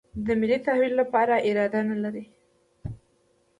د ملي تحول لپاره اراده نه لري.